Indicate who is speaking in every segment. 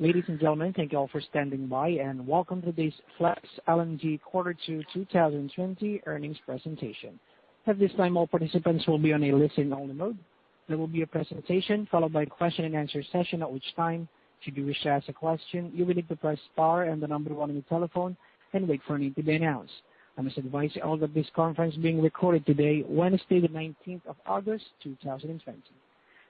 Speaker 1: Ladies and gentlemen, thank you all for standing by, and welcome to this Flex LNG Quarter Two 2020 earnings presentation. At this time, all participants will be on a listen-only mode. There will be a presentation followed by a question-and-answer session, at which time, should you wish to ask a question, you will need to press star and the number one on your telephone and wait for an interview to be announced. I must advise you all that this conference is being recorded today, Wednesday, the 19th of August 2020,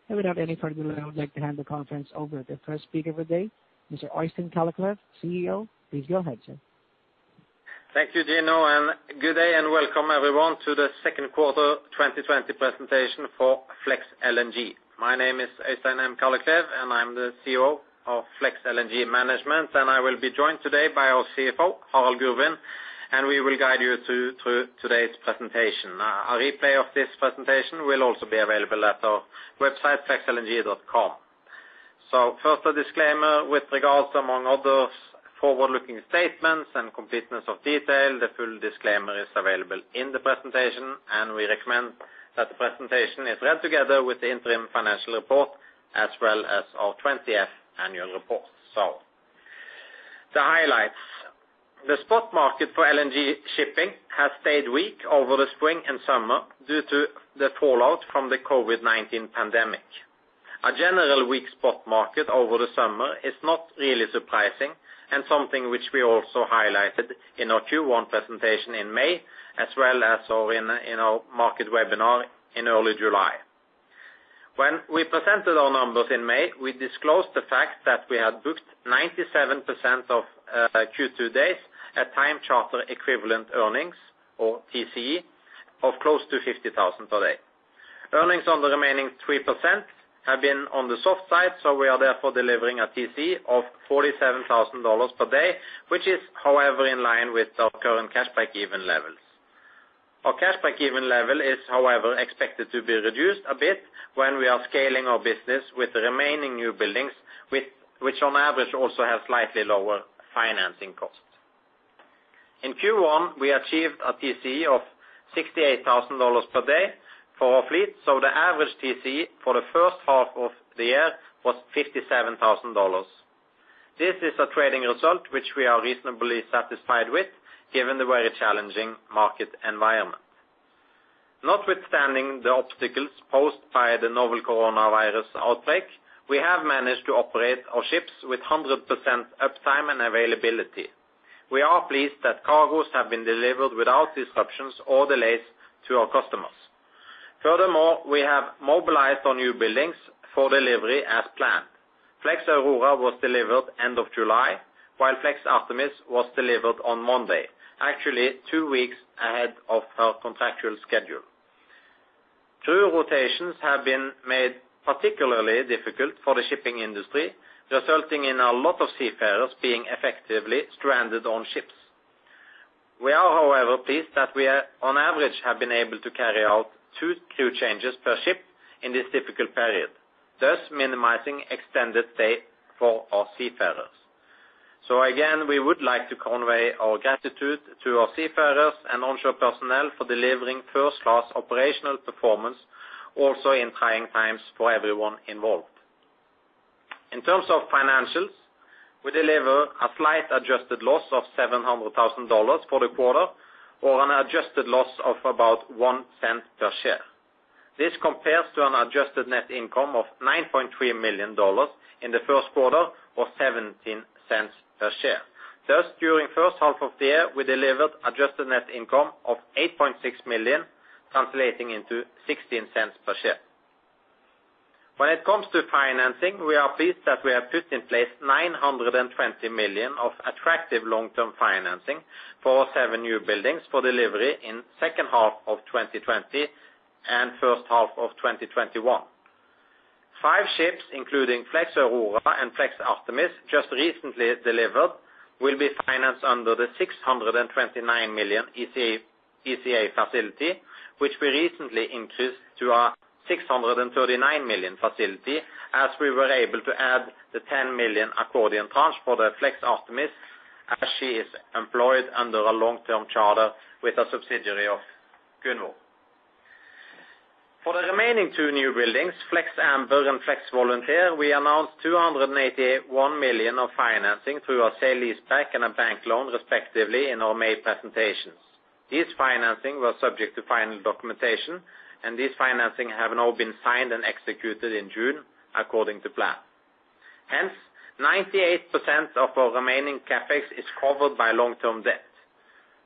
Speaker 1: and without any further delay, I would like to hand the conference over to the first speaker of the day, Mr. Øystein Kalleklev, CEO. Please go ahead, sir.
Speaker 2: Thank you, Dino. And good day and welcome, everyone, to the second quarter 2020 presentation for Flex LNG. My name is Øystein Kalleklev, and I'm the CEO of Flex LNG Management. And I will be joined today by our CFO, Harald Gurvin, and we will guide you through today's presentation. A replay of this presentation will also be available at our website, flexlng.com. So, first, a disclaimer with regards to, among others, forward-looking statements and completeness of detail. The full disclaimer is available in the presentation, and we recommend that the presentation is read together with the interim financial report, as well as our 20-F annual report. So, the highlights. The spot market for LNG shipping has stayed weak over the spring and summer due to the fallout from the COVID-19 pandemic. A general weak spot market over the summer is not really surprising, and something which we also highlighted in our Q1 presentation in May, as well as in our market webinar in early July. When we presented our numbers in May, we disclosed the fact that we had booked 97% of Q2 days at time-charter equivalent earnings, or TCE, of close to $50,000 per day. Earnings on the remaining 3% have been on the soft side, so we are therefore delivering a TCE of $47,000 per day, which is, however, in line with our current cash breakeven levels. Our cash breakeven level is, however, expected to be reduced a bit when we are scaling our business with the remaining newbuildings, which on average also have slightly lower financing costs. In Q1, we achieved a TCE of $68,000 per day for our fleet, so the average TCE for the first half of the year was $57,000. This is a trading result which we are reasonably satisfied with, given the very challenging market environment. Notwithstanding the obstacles posed by the novel coronavirus outbreak, we have managed to operate our ships with 100% uptime and availability. We are pleased that cargoes have been delivered without disruptions or delays to our customers. Furthermore, we have mobilized our newbuildings for delivery as planned. Flex Aurora was delivered end of July, while Flex Artemis was delivered on Monday, actually two weeks ahead of our contractual schedule. Crew rotations have been made particularly difficult for the shipping industry, resulting in a lot of seafarers being effectively stranded on ships. We are, however, pleased that we, on average, have been able to carry out two crew changes per ship in this difficult period, thus minimizing extended stay for our seafarers. So again, we would like to convey our gratitude to our seafarers and onshore personnel for delivering first-class operational performance, also in trying times for everyone involved. In terms of financials, we deliver a slight adjusted loss of $700,000 for the quarter, or an adjusted loss of about $0.01 per share. This compares to an adjusted net income of $9.3 million in the first quarter, or $0.17 per share. Thus, during the first half of the year, we delivered adjusted net income of $8.6 million, translating into $0.16 per share. When it comes to financing, we are pleased that we have put in place $920 million of attractive long-term financing for our seven newbuildings for delivery in the second half of 2020 and the first half of 2021. Five ships, including Flex Aurora and Flex Artemis, just recently delivered, will be financed under the $629 million ECA facility, which we recently increased to a $639 million facility, as we were able to add the $10 million accordion tranche for the Flex Artemis, as she is employed under a long-term charter with a subsidiary of Gunvor. For the remaining two newbuildings, Flex Amber and Flex Volunteer, we announced $281 million of financing through our sale and leaseback and a bank loan, respectively, in our May presentations. This financing was subject to final documentation, and this financing has now been signed and executed in June, according to plan. Hence, 98% of our remaining CapEx is covered by long-term debt.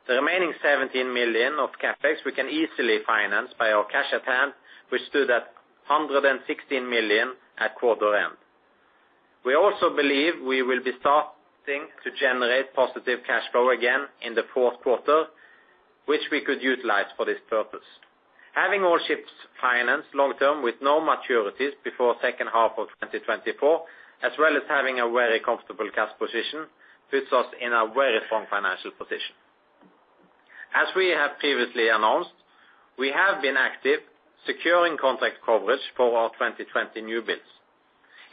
Speaker 2: The remaining $17 million of CapEx we can easily finance by our cash at hand, which stood at $116 million at quarter end. We also believe we will be starting to generate positive cash flow again in the fourth quarter, which we could utilize for this purpose. Having all ships financed long-term with no maturities before the second half of 2024, as well as having a very comfortable cash position, puts us in a very strong financial position. As we have previously announced, we have been active securing contract coverage for our 2020 new builds,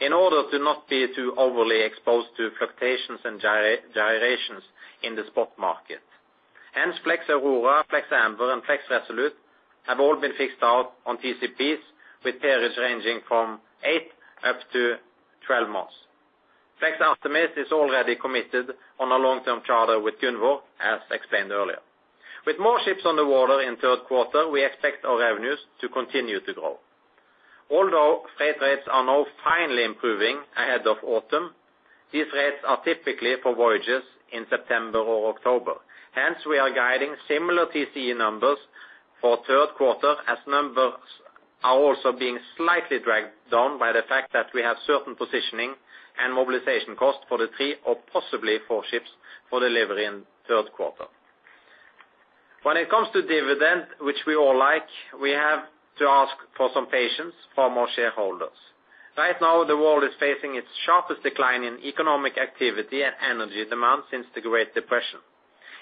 Speaker 2: in order to not be too overly exposed to fluctuations and gyrations in the spot market. Hence, Flex Aurora, Flex Amber, and Flex Resolute have all been fixed out on TCPs with periods ranging from 8-12 months. Flex Artemis is already committed on a long-term charter with Gunvor, as explained earlier. With more ships on the water in the third quarter, we expect our revenues to continue to grow. Although freight rates are now finally improving ahead of autumn, these rates are typically for voyages in September or October. Hence, we are guiding similar TCE numbers for the third quarter, as numbers are also being slightly dragged down by the fact that we have certain positioning and mobilization costs for the three or possibly four ships for delivery in the third quarter. When it comes to dividend, which we all like, we have to ask for some patience from our shareholders. Right now, the world is facing its sharpest decline in economic activity and energy demand since the Great Depression.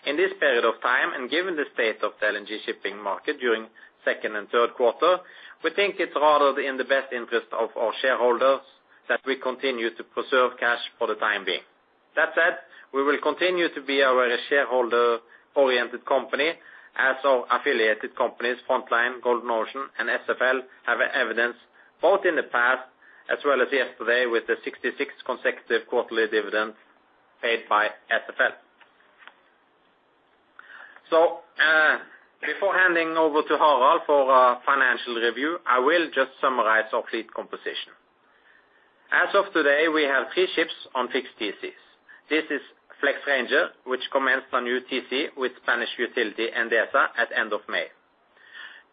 Speaker 2: In this period of time, and given the state of the LNG shipping market during the second and third quarter, we think it's rather in the best interest of our shareholders that we continue to preserve cash for the time being. That said, we will continue to be a very shareholder-oriented company, as our affiliated companies, Frontline, Golden Ocean, and SFL, have evidenced both in the past as well as yesterday with the 66th consecutive quarterly dividend paid by SFL. So, before handing over to Harald for a financial review, I will just summarize our fleet composition. As of today, we have three ships on fixed TCs. This is Flex Ranger, which commenced a new TC with Spanish utility Endesa at the end of May.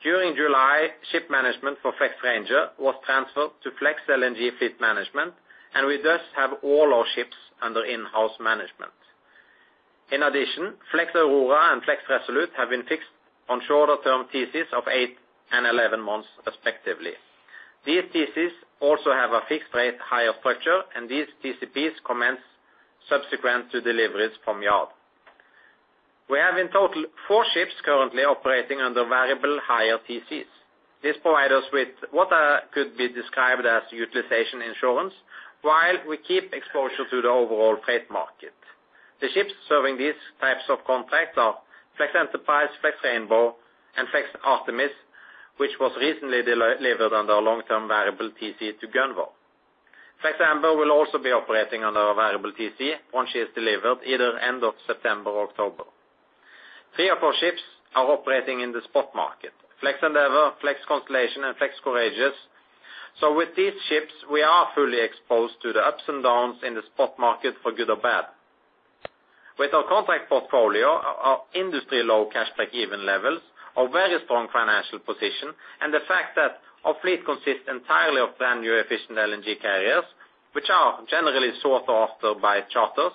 Speaker 2: During July, ship management for Flex Ranger was transferred to Flex LNG Fleet Management, and we thus have all our ships under in-house management. In addition, Flex Aurora and Flex Resolute have been fixed on shorter-term TCs of 8 and 11 months, respectively. These TCs also have a fixed-rate hire structure, and these TCPs commence subsequent to deliveries from yard. We have in total four ships currently operating under variable hire TCs. This provides us with what could be described as utilization insurance, while we keep exposure to the overall freight market. The ships serving these types of contracts are Flex Enterprise, Flex Rainbow, and Flex Artemis, which was recently delivered under a long-term variable TC to Gunvor. Flex Amber will also be operating under a variable TC once she is delivered, either end of September or October. Three of our ships are operating in the spot market: Flex Endeavour, Flex Constellation, and Flex Courageous. So, with these ships, we are fully exposed to the ups and downs in the spot market, for good or bad. With our contract portfolio, our industry-low cash breakeven levels, our very strong financial position, and the fact that our fleet consists entirely of brand-new, efficient LNG carriers, which are generally sought after by charters,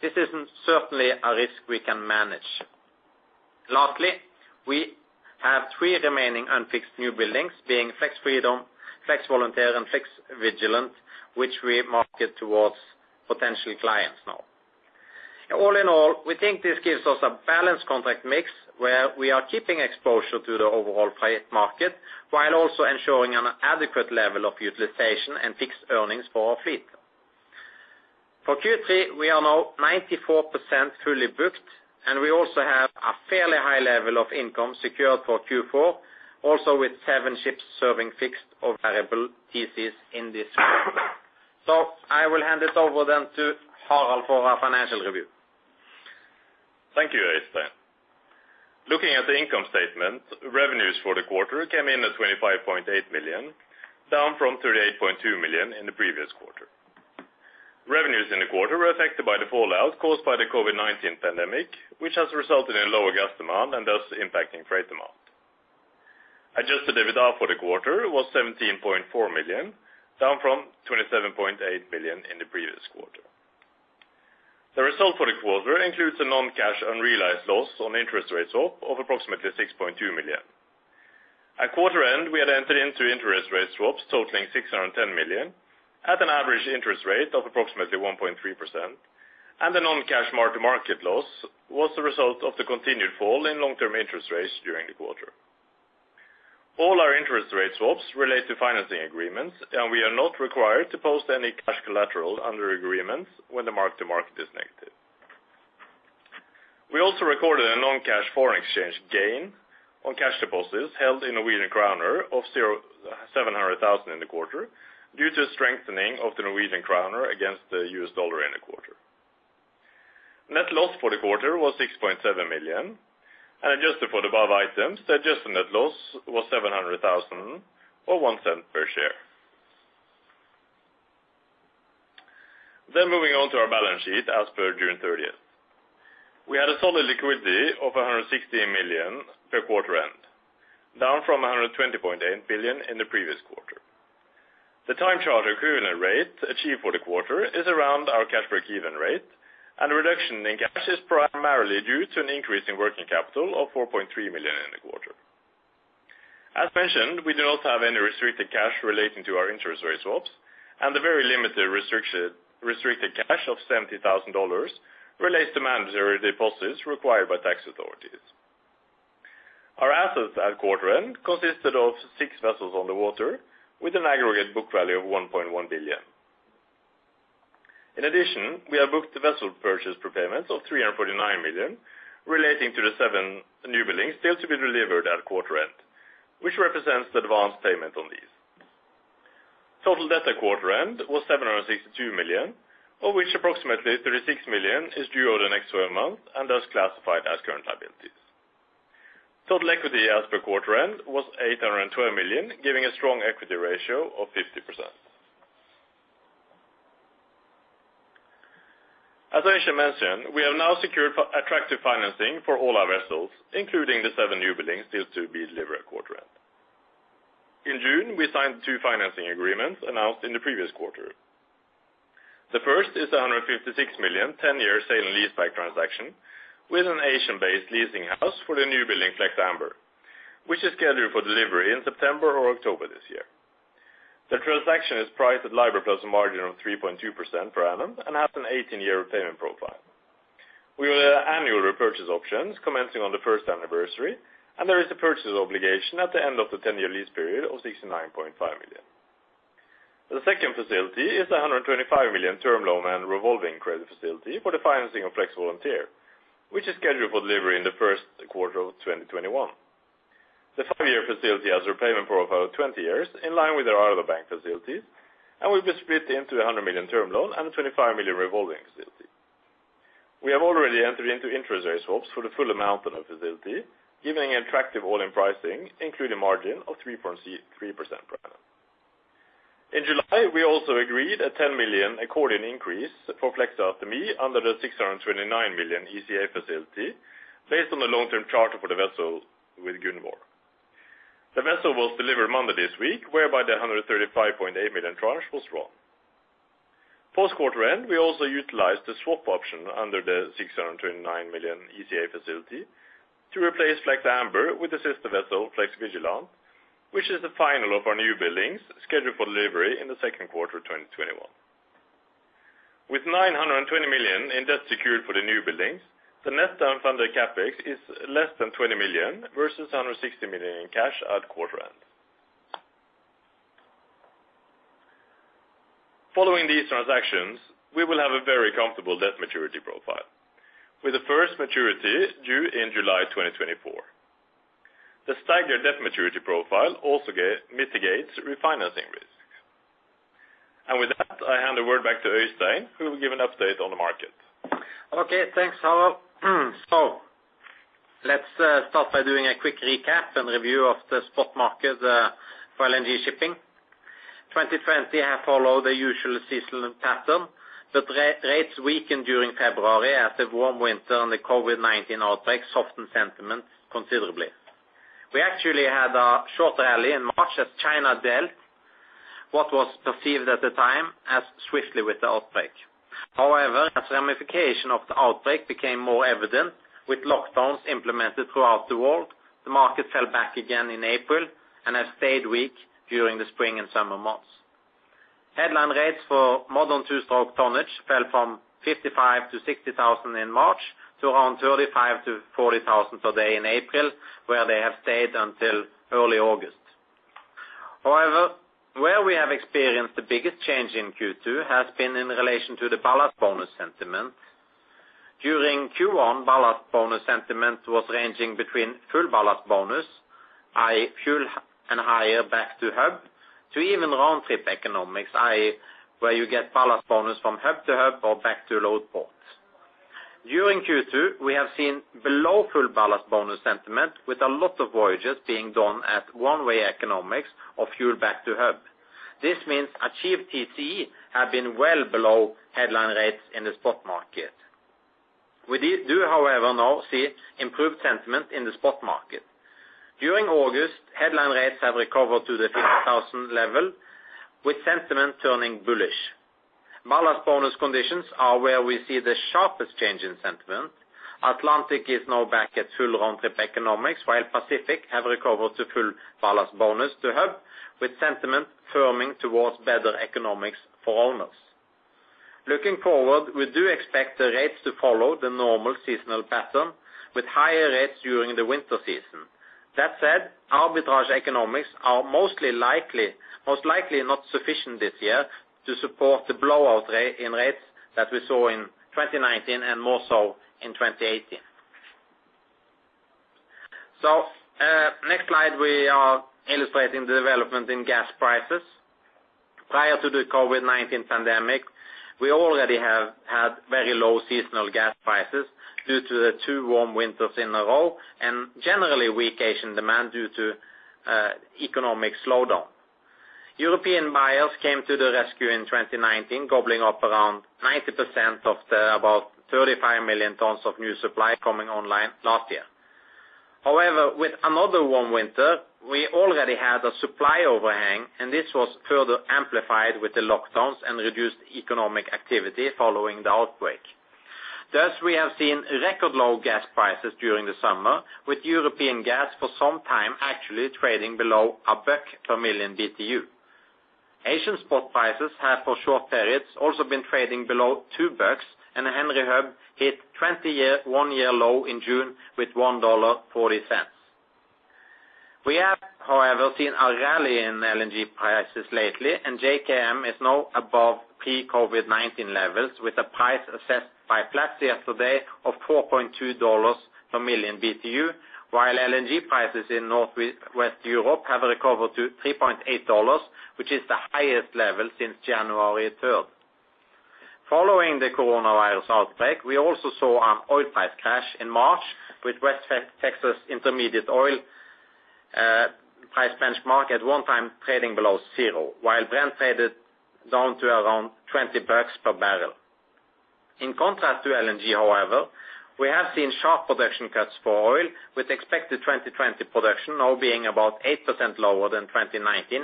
Speaker 2: this is certainly a risk we can manage. Lastly, we have three remaining unfixed newbuildings, being Flex Freedom, Flex Volunteer, and Flex Vigilant, which we market towards potential clients now. All in all, we think this gives us a balanced contract mix where we are keeping exposure to the overall freight market, while also ensuring an adequate level of utilization and fixed earnings for our fleet. For Q3, we are now 94% fully booked, and we also have a fairly high level of income secured for Q4, also with seven ships serving fixed or variable TCs in this quarter, so I will hand it over then to Harald for our financial review.
Speaker 3: Thank you, Øystein. Looking at the income statement, revenues for the quarter came in at $25.8 million, down from $38.2 million in the previous quarter. Revenues in the quarter were affected by the fallout caused by the COVID-19 pandemic, which has resulted in lower gas demand and thus impacting freight demand. Adjusted EBITDA for the quarter was $17.4 million, down from $27.8 million in the previous quarter. The result for the quarter includes a non-cash unrealized loss on interest rate swap of approximately $6.2 million. At quarter end, we had entered into interest rate swaps totaling $610 million, at an average interest rate of approximately 1.3%, and the non-cash mark-to-market loss was the result of the continued fall in long-term interest rates during the quarter. All our interest rate swaps relate to financing agreements, and we are not required to post any cash collateral under agreements when the mark-to-market is negative. We also recorded a non-cash foreign exchange gain on cash deposits held in Norwegian Kroner of $700,000 in the quarter, due to strengthening of the Norwegian Kroner against the US dollar in the quarter. Net loss for the quarter was $6.7 million, and adjusted for the above items, the adjusted net loss was $700,000, or $0.01 per share. Then, moving on to our balance sheet as per June 30th, we had a solid liquidity of $116 million per quarter end, down from $120.8 million in the previous quarter. The time-charter equivalent rate achieved for the quarter is around our cash breakeven rate, and the reduction in cash is primarily due to an increase in working capital of $4.3 million in the quarter. As mentioned, we do not have any restricted cash relating to our interest rate swaps, and the very limited restricted cash of $70,000 relates to mandatory deposits required by tax authorities. Our assets at quarter end consisted of six vessels on the water, with an aggregate book value of $1.1 billion. In addition, we have booked vessel purchase prepayments of $349 million relating to the seven newbuildings still to be delivered at quarter end, which represents the advance payment on these. Total debt at quarter end was $762 million, of which approximately $36 million is due over the next 12 months and thus classified as current liabilities. Total equity as per quarter end was $812 million, giving a strong equity ratio of 50%. As Øystein mentioned, we have now secured attractive financing for all our vessels, including the seven newbuildings still to be delivered at quarter end. In June, we signed two financing agreements announced in the previous quarter. The first is a $156 million 10-year sale and leaseback transaction with an Asian-based leasing house for the new building Flex Amber, which is scheduled for delivery in September or October this year. The transaction is priced at LIBOR plus a margin of 3.2% per annum and has an 18-year repayment profile. We will have annual repurchase options commencing on the first anniversary, and there is a purchase obligation at the end of the 10-year lease period of $69.5 million. The second facility is a $125 million term loan and revolving credit facility for the financing of Flex Volunteer, which is scheduled for delivery in the first quarter of 2021. The five-year facility has a repayment profile of 20 years, in line with our other bank facilities, and will be split into a $100 million term loan and a $25 million revolving facility. We have already entered into interest rate swaps for the full amount on our facility, giving an attractive all-in pricing, including margin of 3.3% per annum. In July, we also agreed a $10 million accordion increase for Flex Artemis under the $629 million ECA facility, based on the long-term charter for the vessel with Gunvor. The vessel was delivered Monday this week, whereby the $135.8 million tranche was drawn. Post-quarter end, we also utilized the swap option under the $629 million ECA facility to replace Flex Amber with the sister vessel Flex Vigilant, which is the final of our newbuildings scheduled for delivery in the second quarter of 2021. With $920 million in debt secured for the newbuildings, the net unfunded CapEx is less than $20 million versus $160 million in cash at quarter end. Following these transactions, we will have a very comfortable debt maturity profile, with the first maturity due in July 2024. The staggered debt maturity profile also mitigates refinancing risk, and with that, I hand the word back to Øystein, who will give an update on the market.
Speaker 2: Okay, thanks, Harald. So, let's start by doing a quick recap and review of the spot market for LNG shipping. 2020 has followed the usual seasonal pattern, but rates weakened during February as the warm winter and the COVID-19 outbreak softened sentiment considerably. We actually had a shorter rally in March as China dealt what was perceived at the time as swiftly with the outbreak. However, as ramifications of the outbreak became more evident with lockdowns implemented throughout the world, the market fell back again in April and has stayed weak during the spring and summer months. Headline rates for modern two-stroke tonnage fell from $55,000-$60,000 in March to around $35,000-$40,000 a day in April, where they have stayed until early August. However, where we have experienced the biggest change in Q2 has been in relation to the ballast bonus sentiment. During Q1, ballast bonus sentiment was ranging between full ballast bonus, i.e., fuel and hire back to hub, to even round-trip economics, i.e., where you get ballast bonus from hub to hub or back to load port. During Q2, we have seen below full ballast bonus sentiment, with a lot of voyages being done at one-way economics or fuel back to hub. This means achieved TC have been well below headline rates in the spot market. We do, however, now see improved sentiment in the spot market. During August, headline rates have recovered to the $50,000 level, with sentiment turning bullish. Ballast bonus conditions are where we see the sharpest change in sentiment. Atlantic is now back at full round-trip economics, while Pacific have recovered to full ballast bonus to hub, with sentiment firming towards better economics for owners. Looking forward, we do expect the rates to follow the normal seasonal pattern, with higher rates during the winter season. That said, arbitrage economics are most likely not sufficient this year to support the blowout in rates that we saw in 2019 and more so in 2018, so next slide, we are illustrating the development in gas prices. Prior to the COVID-19 pandemic, we already had very low seasonal gas prices due to the two warm winters in a row and generally weak Asian demand due to economic slowdown. European buyers came to the rescue in 2019, gobbling up around 90% of the about 35 million tons of new supply coming online last year. However, with another warm winter, we already had a supply overhang, and this was further amplified with the lockdowns and reduced economic activity following the outbreak. Thus, we have seen record low gas prices during the summer, with European gas for some time actually trading below $1 per million BTU. Asian spot prices have for short periods also been trading below $2, and Henry Hub hit 20-year one-year low in June with $1.40. We have, however, seen a rally in LNG prices lately, and JKM is now above pre-COVID-19 levels, with a price assessed by FLEX yesterday of $4.2 per million BTU, while LNG prices in Northwest Europe have recovered to $3.8, which is the highest level since January 3rd. Following the coronavirus outbreak, we also saw an oil price crash in March, with West Texas Intermediate oil price benchmark at one time trading below zero, while Brent traded down to around $20 per barrel. In contrast to LNG, however, we have seen sharp production cuts for oil, with expected 2020 production now being about 8% lower than 2019,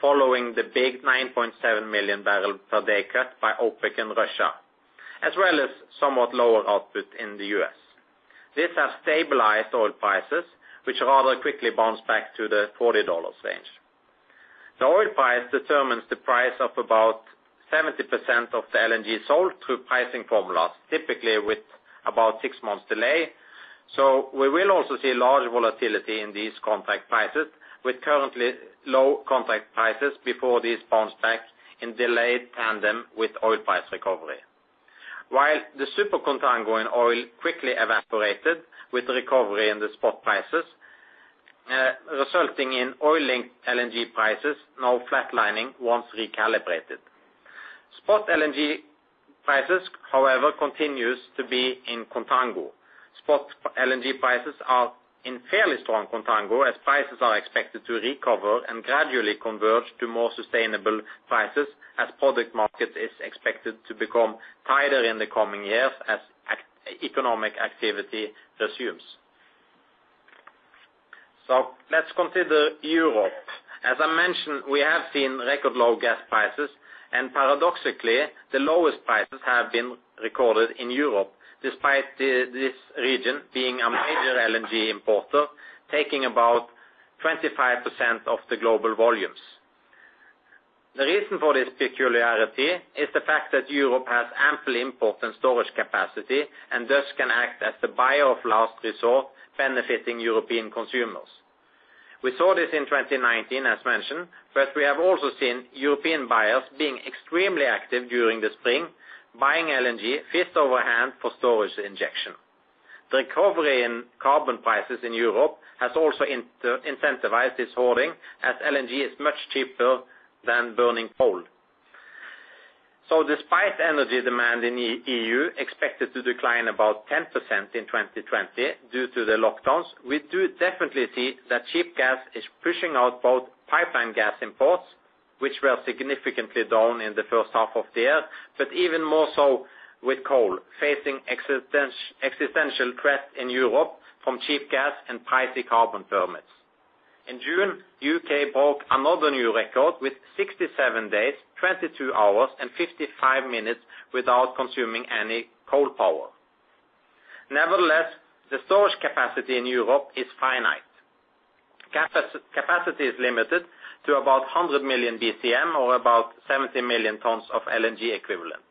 Speaker 2: following the big 9.7 million barrels per day cut by OPEC and Russia, as well as somewhat lower output in the U.S. This has stabilized oil prices, which rather quickly bounced back to the $40 range. The oil price determines the price of about 70% of the LNG sold through pricing formulas, typically with about six months' delay. So, we will also see large volatility in these contract prices, with currently low contract prices before these bounce back in delayed tandem with oil price recovery. While the super contango in oil quickly evaporated with the recovery in the spot prices, resulting in oil-linked LNG prices now flatlining once recalibrated. Spot LNG prices, however, continue to be in contango. Spot LNG prices are in fairly strong contango, as prices are expected to recover and gradually converge to more sustainable prices, as product markets are expected to become tighter in the coming years as economic activity resumes. So, let's consider Europe. As I mentioned, we have seen record low gas prices, and paradoxically, the lowest prices have been recorded in Europe, despite this region being a major LNG importer, taking about 25% of the global volumes. The reason for this peculiarity is the fact that Europe has ample import and storage capacity and thus can act as the buyer of last resort, benefiting European consumers. We saw this in 2019, as mentioned, but we have also seen European buyers being extremely active during the spring, buying LNG hand over fist for storage injection. The recovery in carbon prices in Europe has also incentivized this hoarding, as LNG is much cheaper than burning coal. Despite energy demand in the EU expected to decline about 10% in 2020 due to the lockdowns, we do definitely see that cheap gas is pushing out both pipeline gas imports, which were significantly down in the first half of the year, but even more so with coal, facing existential threat in Europe from cheap gas and pricey carbon permits. In June, the U.K. broke another new record with 67 days, 22 hours, and 55 minutes without consuming any coal power. Nevertheless, the storage capacity in Europe is finite. Capacity is limited to about 100 BCM, or about 70 million tons of LNG equivalent.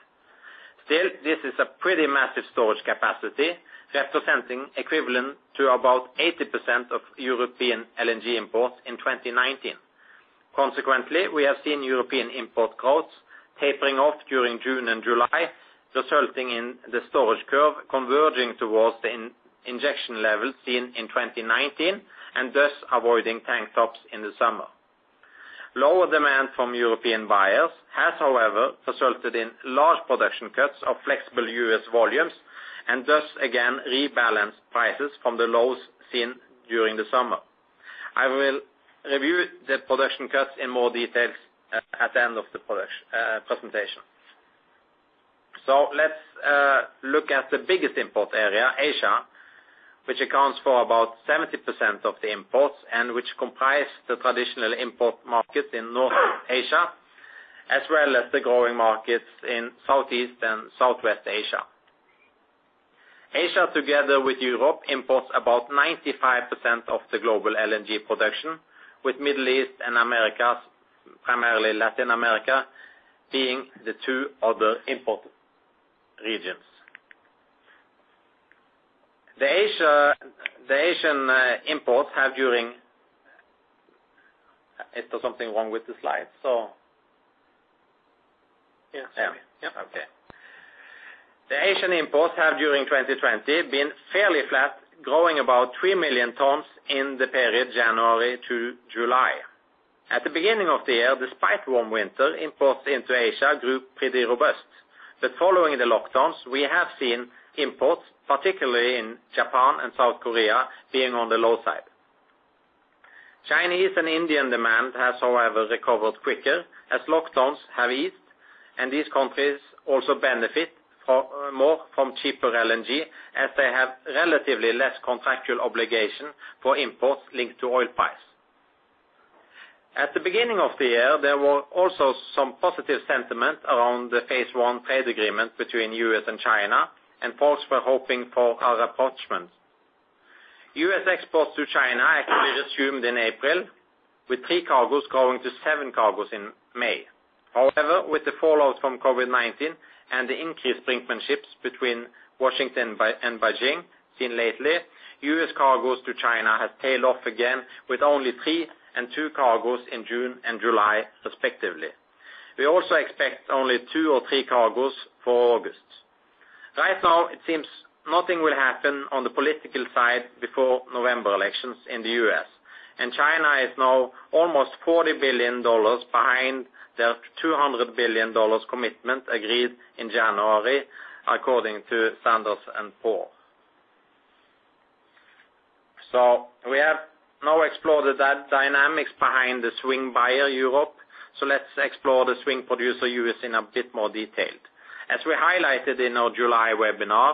Speaker 2: Still, this is a pretty massive storage capacity, representing equivalent to about 80% of European LNG imports in 2019. Consequently, we have seen European import growth tapering off during June and July, resulting in the storage curve converging towards the injection level seen in 2019 and thus avoiding tank tops in the summer. Lower demand from European buyers has, however, resulted in large production cuts of flexible U.S. volumes and thus again rebalanced prices from the lows seen during the summer. I will review the production cuts in more detail at the end of the presentation. So, let's look at the biggest import area, Asia, which accounts for about 70% of the imports and which comprises the traditional import markets in North Asia, as well as the growing markets in Southeast and Southwest Asia. Asia, together with Europe, imports about 95% of the global LNG production, with the Middle East and Americas, primarily Latin America, being the two other import regions. The Asian imports have during 2020 been fairly flat, growing about three million tons in the period January to July. At the beginning of the year, despite warm winter, imports into Asia grew pretty robust. But following the lockdowns, we have seen imports, particularly in Japan and South Korea, being on the low side. Chinese and Indian demand has, however, recovered quicker as lockdowns have eased, and these countries also benefit more from cheaper LNG, as they have relatively less contractual obligation for imports linked to oil price. At the beginning of the year, there were also some positive sentiments around the Phase One trade agreement between the U.S. and China, and folks were hoping for a rapprochement. U.S. exports to China actually resumed in April, with three cargoes growing to seven cargoes in May. However, with the fallout from COVID-19 and the increased brinkmanships between Washington and Beijing seen lately, U.S. cargoes to China have tailed off again, with only three and two cargoes in June and July, respectively. We also expect only two or three cargoes for August. Right now, it seems nothing will happen on the political side before November elections in the U.S., and China is now almost $40 billion behind their $200 billion commitment agreed in January, according to Standard & Poor's. So, we have now explored the dynamics behind the swing buyer Europe, so let's explore the swing producer U.S. in a bit more detail. As we highlighted in our July webinar,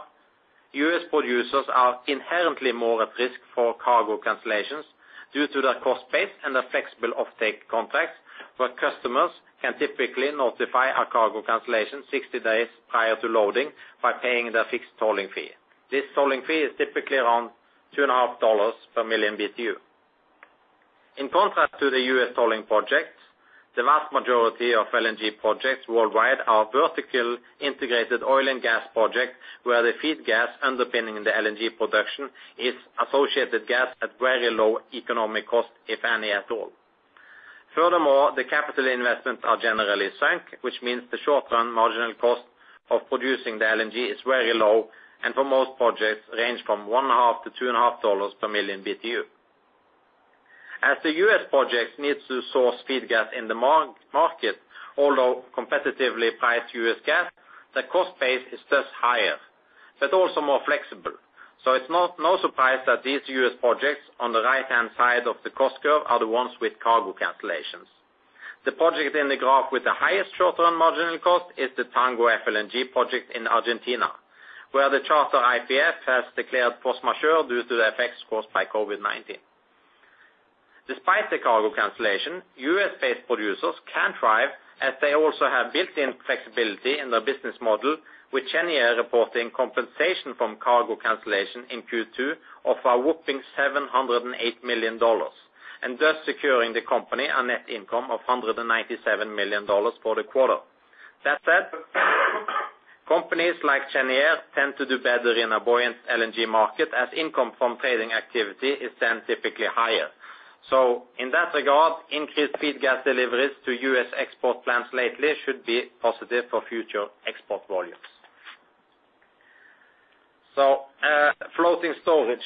Speaker 2: U.S. producers are inherently more at risk for cargo cancellations due to their cost base and their flexible offtake contracts, where customers can typically notify a cargo cancellation 60 days prior to loading by paying their fixed tolling fee. This tolling fee is typically around $2.5 per million BTU. In contrast to the U.S. tolling projects, the vast majority of LNG projects worldwide are vertically integrated oil and gas projects, where the feed gas underpinning the LNG production is associated gas at very low economic cost, if any at all. Furthermore, the capital investments are generally sunk, which means the short-term marginal cost of producing the LNG is very low, and for most projects, it ranges from $1.5-$2.5 per million BTU. As the U.S. projects need to source feed gas in the market, although competitively priced U.S. gas, the cost base is thus higher, but also more flexible. So, it's no surprise that these U.S. projects on the right-hand side of the cost curve are the ones with cargo cancellations. The project in the graph with the highest short-term marginal cost is the Tango FLNG project in Argentina, where the charterer YPF has declared force majeure due to the effects caused by COVID-19. Despite the cargo cancellation, U.S.-based producers can thrive, as they also have built-in flexibility in their business model, with Cheniere reporting compensation from cargo cancellation in Q2 of a whopping $708 million, and thus securing the company a net income of $197 million for the quarter. That said, companies like Cheniere tend to do better in a buoyant LNG market, as income from trading activity is then typically higher. In that regard, increased feed gas deliveries to U.S. export plants lately should be positive for future export volumes. Floating storage.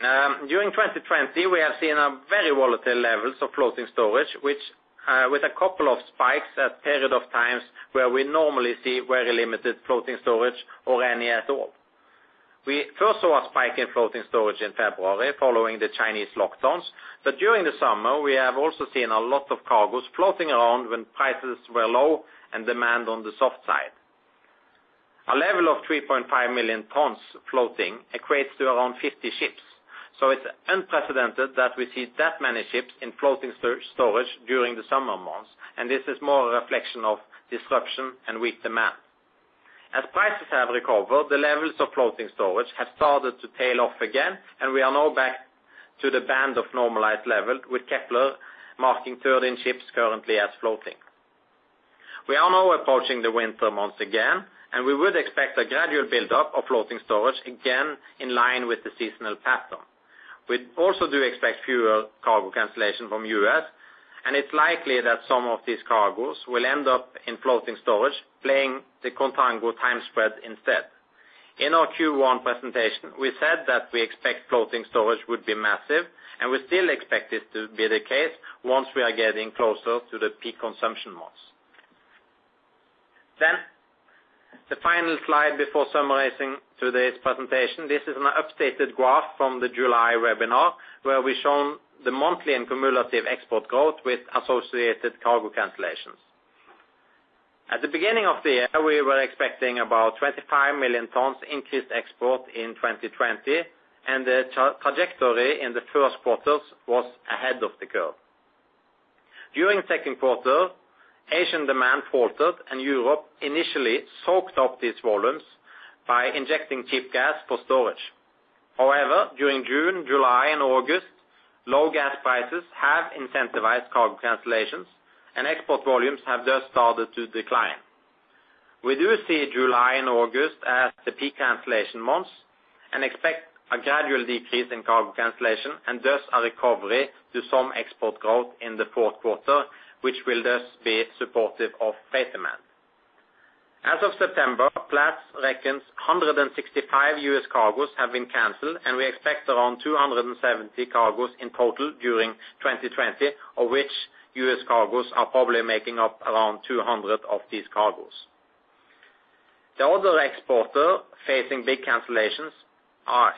Speaker 2: During 2020, we have seen very volatile levels of floating storage, with a couple of spikes at periods of times where we normally see very limited floating storage or any at all. We first saw a spike in floating storage in February following the Chinese lockdowns, but during the summer, we have also seen a lot of cargoes floating around when prices were low and demand on the soft side. A level of 3.5 million tons floating equates to around 50 ships, so it's unprecedented that we see that many ships in floating storage during the summer months, and this is more a reflection of disruption and weak demand. As prices have recovered, the levels of floating storage have started to tail off again, and we are now back to the band of normalized level, with Kpler marking 13 ships currently as floating. We are now approaching the winter months again, and we would expect a gradual buildup of floating storage again in line with the seasonal pattern. We also do expect fewer cargo cancellations from the U.S., and it's likely that some of these cargoes will end up in floating storage, playing the contango time spread instead. In our Q1 presentation, we said that we expect floating storage would be massive, and we still expect this to be the case once we are getting closer to the peak consumption months. Then, the final slide before summarizing today's presentation. This is an updated graph from the July webinar, where we've shown the monthly and cumulative export growth with associated cargo cancellations. At the beginning of the year, we were expecting about 25 million tons increased export in 2020, and the trajectory in the first quarters was ahead of the curve. During the second quarter, Asian demand faltered, and Europe initially soaked up these volumes by injecting cheap gas for storage. However, during June, July, and August, low gas prices have incentivized cargo cancellations, and export volumes have thus started to decline. We do see July and August as the peak cancellation months and expect a gradual decrease in cargo cancellation and thus a recovery to some export growth in the fourth quarter, which will thus be supportive of freight demand. As of September, Platts reckons 165 U.S. cargoes have been canceled, and we expect around 270 cargoes in total during 2020, of which U.S. cargoes are probably making up around 200 of these cargoes. The other exporter facing big cancellations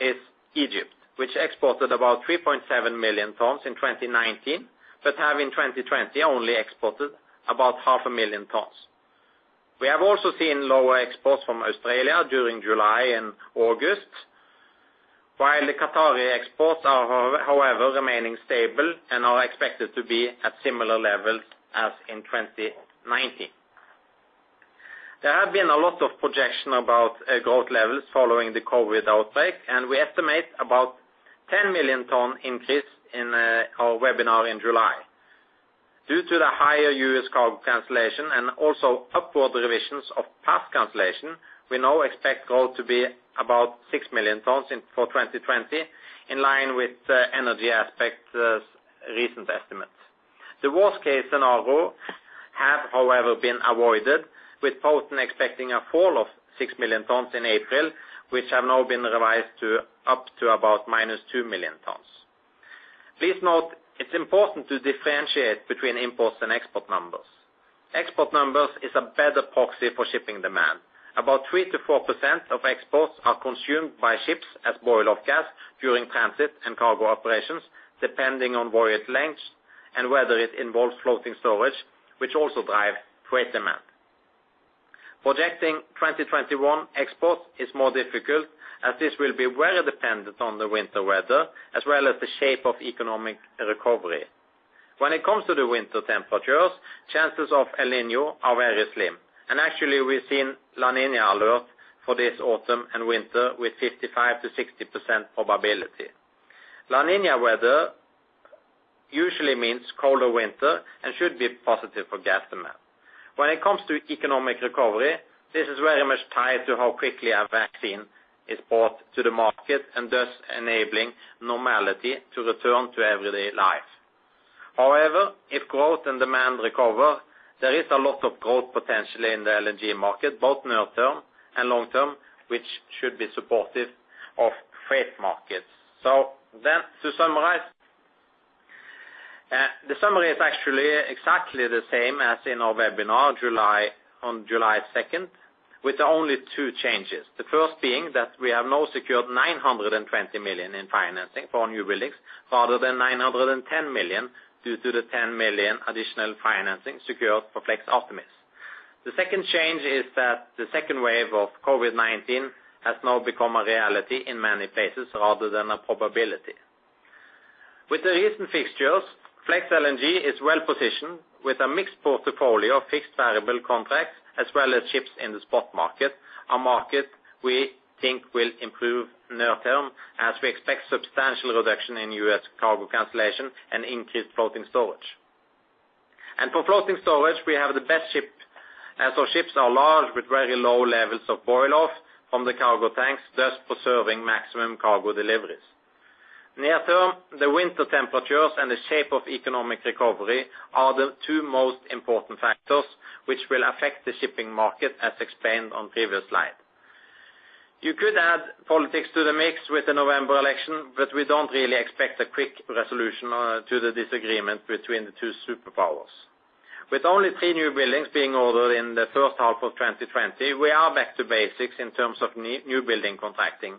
Speaker 2: is Egypt, which exported about 3.7 million tons in 2019, but has in 2020 only exported about 500,000 tons. We have also seen lower exports from Australia during July and August, while the Qatari exports are, however, remaining stable and are expected to be at similar levels as in 2019. There have been a lot of projections about growth levels following the COVID outbreak, and we estimate about a 10-million-ton increase in our webinar in July. Due to the higher U.S. cargo cancellation and also upward revisions of past cancellation, we now expect growth to be about 6 million tons for 2020, in line with the Energy Aspects' recent estimates. The worst-case scenario has, however, been avoided, with Poten expecting a fall of 6 million tons in April, which have now been revised up to about minus 2 million tons. Please note it's important to differentiate between imports and export numbers. Export numbers are a better proxy for shipping demand. About 3%-4% of exports are consumed by ships as boil-off gas during transit and cargo operations, depending on voyage length and whether it involves floating storage, which also drives freight demand. Projecting 2021 exports is more difficult, as this will be very dependent on the winter weather, as well as the shape of economic recovery. When it comes to the winter temperatures, chances of El Niño are very slim, and actually, we've seen La Niña alerts for this autumn and winter with 55%-60% probability. La Niña weather usually means colder winter and should be positive for gas demand. When it comes to economic recovery, this is very much tied to how quickly a vaccine is brought to the market and thus enabling normality to return to everyday life. However, if growth and demand recover, there is a lot of growth potential in the LNG market, both near-term and long-term, which should be supportive of freight markets. So, then, to summarize, the summary is actually exactly the same as in our webinar on July 2nd, with only two changes. The first being that we have now secured $920 million in financing for newbuildings rather than $910 million due to the $10 million additional financing secured for Flex Artemis. The second change is that the second wave of COVID-19 has now become a reality in many places rather than a probability. With the recent fixtures, Flex LNG is well-positioned with a mixed portfolio of fixed variable contracts, as well as ships in the spot market, a market we think will improve near-term, as we expect substantial reduction in U.S. cargo cancellation and increased floating storage. And for floating storage, we have the best ship, so ships are large with very low levels of boil-off from the cargo tanks, thus preserving maximum cargo deliveries. Near-term, the winter temperatures and the shape of economic recovery are the two most important factors which will affect the shipping market, as explained on the previous slide. You could add politics to the mix with the November election, but we don't really expect a quick resolution to the disagreement between the two superpowers. With only three newbuildings being ordered in the first half of 2020, we are back to basics in terms of new building contracting.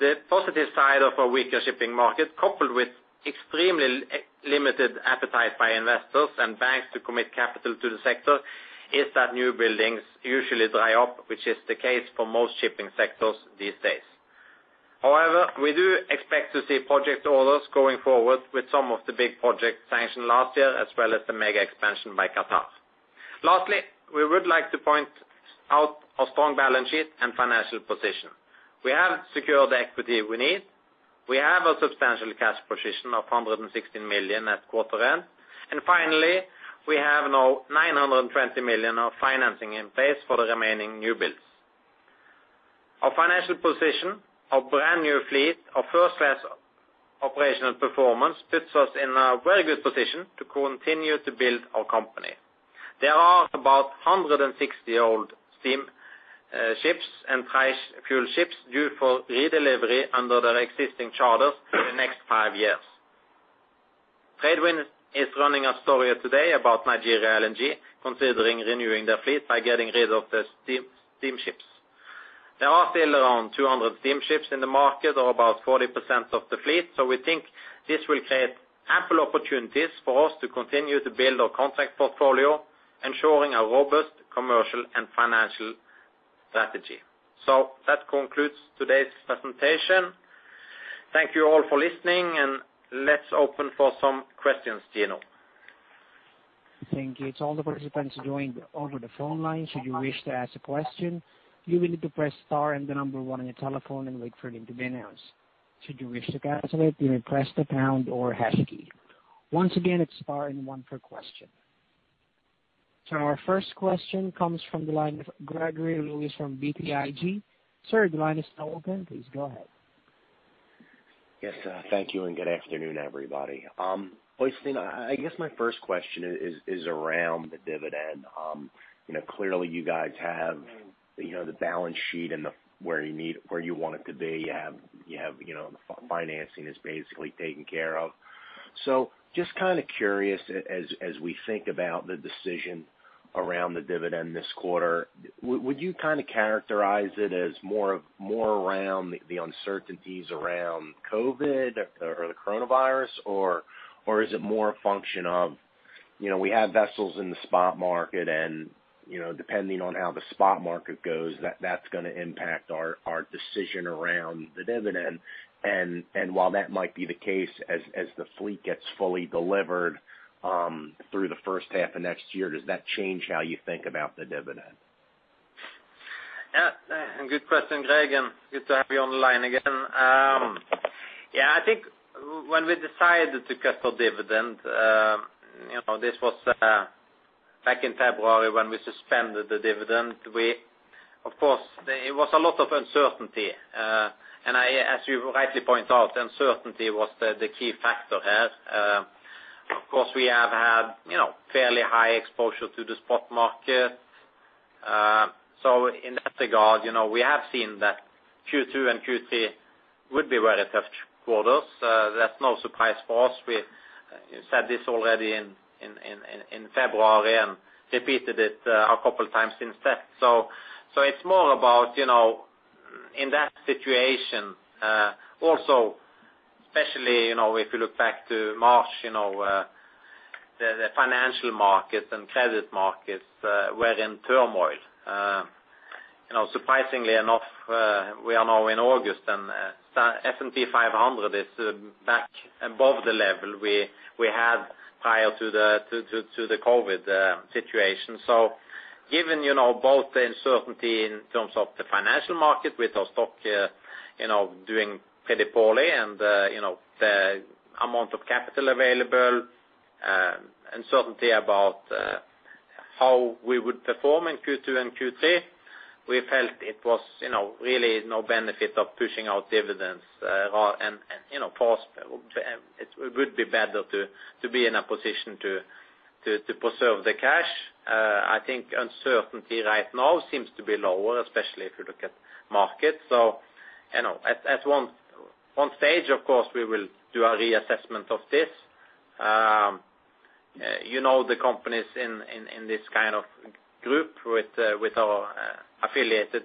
Speaker 2: The positive side of a weaker shipping market, coupled with extremely limited appetite by investors and banks to commit capital to the sector, is that newbuildings usually dry up, which is the case for most shipping sectors these days. However, we do expect to see project orders going forward with some of the big projects sanctioned last year, as well as the mega expansion by Qatar. Lastly, we would like to point out our strong balance sheet and financial position. We have secured the equity we need. We have a substantial cash position of $116 million at quarter end, and finally, we have now $920 million of financing in place for the remaining new builds. Our financial position, our brand new fleet, our first-class operational performance puts us in a very good position to continue to build our company. There are about 160 old steamships and tri-fuel ships due for redelivery under their existing charters for the next five years. TradeWinds is running a story today about Nigeria LNG, considering renewing their fleet by getting rid of the steamships. There are still around 200 steamships in the market or about 40% of the fleet, so we think this will create ample opportunities for us to continue to build our contract portfolio, ensuring a robust commercial and financial strategy. So, that concludes today's presentation. Thank you all for listening, and let's open for some questions, Dino.
Speaker 1: Thank you. To all the participants joining over the phone line, should you wish to ask a question, you will need to press star and the number one on your telephone and wait for it to be announced. Should you wish to cancel it, you may press the pound or hash key. Once again, it's star and one for question. So, our first question comes from the line of Gregory Lewis from BTIG. Sir, the line is now open. Please go ahead.
Speaker 4: Yes, thank you, and good afternoon, everybody. I guess my first question is around the dividend. Clearly, you guys have the balance sheet and where you want it to be. You have the financing that's basically taken care of. So, just kind of curious, as we think about the decision around the dividend this quarter, would you kind of characterize it as more around the uncertainties around COVID or the coronavirus, or is it more a function of we have vessels in the spot market, and depending on how the spot market goes, that's going to impact our decision around the dividend? And while that might be the case, as the fleet gets fully delivered through the first half of next year, does that change how you think about the dividend?
Speaker 2: Good question, Greg, and good to have you on the line again. Yeah, I think when we decided to cut the dividend, this was back in February when we suspended the dividend. Of course, it was a lot of uncertainty, and as you rightly point out, uncertainty was the key factor here. Of course, we have had fairly high exposure to the spot market. So, in that regard, we have seen that Q2 and Q3 would be very tough quarters. That's no surprise for us. We said this already in February and repeated it a couple of times since then. So, it's more about, in that situation, also, especially if you look back to March, the financial markets and credit markets were in turmoil. Surprisingly enough, we are now in August, and S&P 500 is back above the level we had prior to the COVID situation. So, given both the uncertainty in terms of the financial market with our stock doing pretty poorly and the amount of capital available, uncertainty about how we would perform in Q2 and Q3, we felt it was really no benefit of pushing out dividends. And it would be better to be in a position to preserve the cash. I think uncertainty right now seems to be lower, especially if you look at markets. So, at one stage, of course, we will do a reassessment of this. You know the companies in this kind of group with our affiliated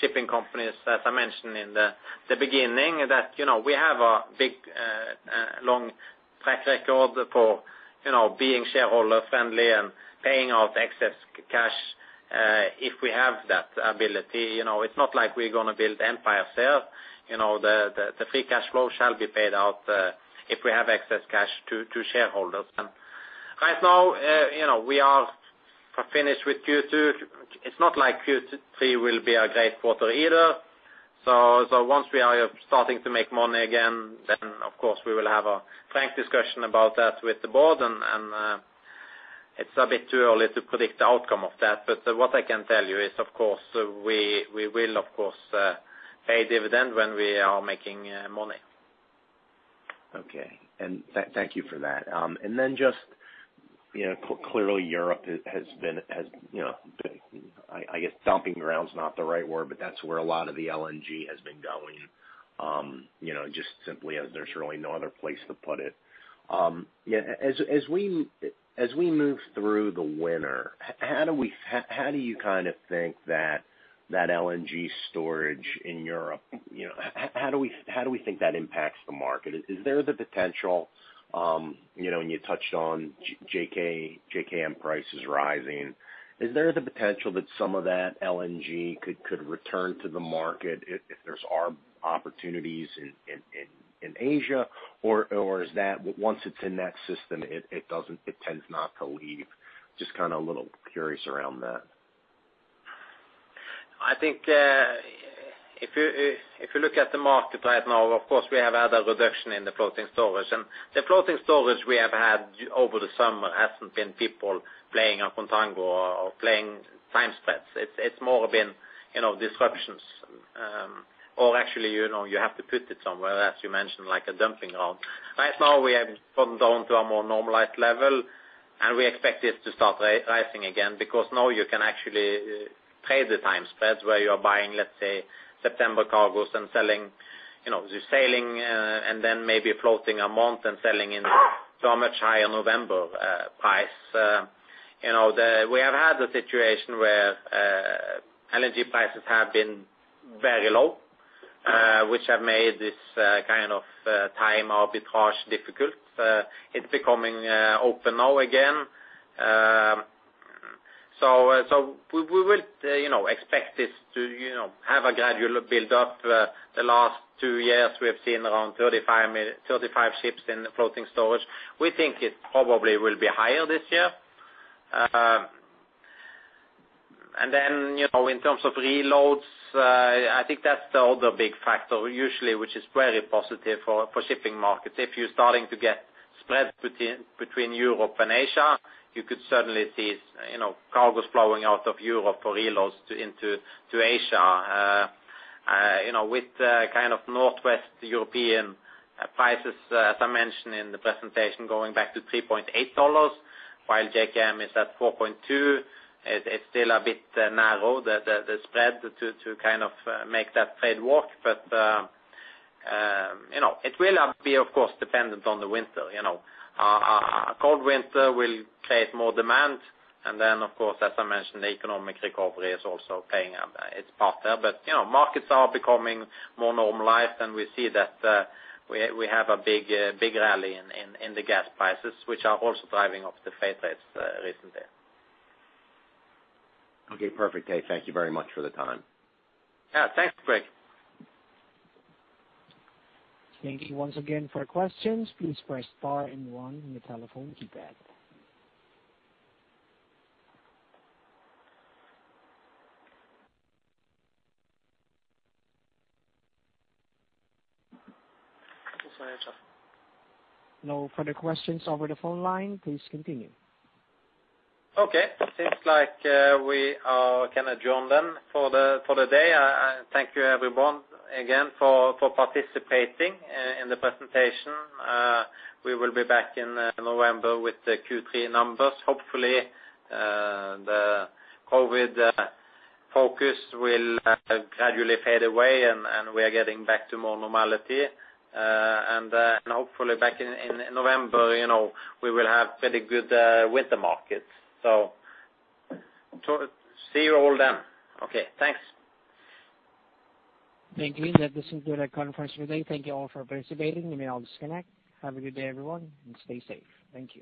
Speaker 2: shipping companies, as I mentioned in the beginning, that we have a big long track record for being shareholder-friendly and paying out excess cash if we have that ability. It's not like we're going to build empires here. The free cash flow shall be paid out if we have excess cash to shareholders, and right now, we are finished with Q2. It's not like Q3 will be a great quarter either, so once we are starting to make money again, then, of course, we will have a frank discussion about that with the board, and it's a bit too early to predict the outcome of that, but what I can tell you is, of course, we will, of course, pay dividend when we are making money.
Speaker 4: Okay, and thank you for that, and then just clearly, Europe has been, I guess, dumping ground is not the right word, but that's where a lot of the LNG has been going, just simply as there's really no other place to put it. As we move through the winter, how do you kind of think that LNG storage in Europe, how do we think that impacts the market? Is there the potential, and you touched on JKM prices rising, is there the potential that some of that LNG could return to the market if there's opportunities in Asia, or is that once it's in that system, it tends not to leave? Just kind of a little curious around that.
Speaker 2: I think if you look at the market right now, of course, we have had a reduction in the floating storage, and the floating storage we have had over the summer hasn't been people playing a contango or playing time spreads. It's more been disruptions, or actually, you have to put it somewhere, as you mentioned, like a dumping ground. Right now, we have gone down to a more normalized level, and we expect this to start rising again because now you can actually trade the time spreads where you are buying, let's say, September cargoes and selling, say, and then maybe floating a month and selling into a much higher November price. We have had a situation where LNG prices have been very low, which have made this kind of time arbitrage difficult. It's becoming open now again, so we would expect this to have a gradual build-up. The last two years, we have seen around 35 ships in floating storage. We think it probably will be higher this year. And then, in terms of reloads, I think that's the other big factor, usually, which is very positive for shipping markets. If you're starting to get spread between Europe and Asia, you could certainly see cargos flowing out of Europe for reloads into Asia. With kind of northwest European prices, as I mentioned in the presentation, going back to $3.8, while JKM is at 4.2, it's still a bit narrow, the spread, to kind of make that trade work. But it will be, of course, dependent on the winter. A cold winter will create more demand, and then, of course, as I mentioned, the economic recovery is also playing its part there. But markets are becoming more normalized, and we see that we have a big rally in the gas prices, which are also driving up the freight rates recently.
Speaker 4: Okay. Perfect. Hey, thank you very much for the time.
Speaker 2: Yeah. Thanks, Greg.
Speaker 1: Thank you once again for questions. Please press star and one on the telephone keypad. No further questions over the phone line. Please continue.
Speaker 2: Okay. Seems like we can adjourn then for the day. Thank you, everyone, again for participating in the presentation. We will be back in November with the Q3 numbers. Hopefully, the COVID focus will gradually fade away, and we are getting back to more normality. Hopefully, back in November, we will have pretty good winter markets. See you all then. Okay. Thanks.
Speaker 1: Thank you. That concludes this conference for today. Thank you all for participating. You may all disconnect. Have a good day, everyone, and stay safe. Thank you.